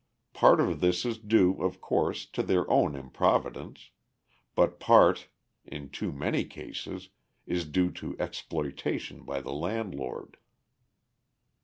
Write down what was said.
Part of this is due, of course, to their own improvidence; but part, in too many cases, is due to exploitation by the landlord.